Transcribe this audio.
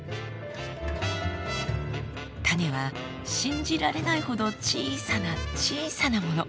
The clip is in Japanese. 種は信じられないほど小さな小さなもの。